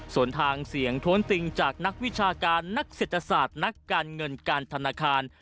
ส่วนทางเสียงท้วนติงจากนักวิชาการนักเศรษฐศาสตร์นักการเงินการธนาคาร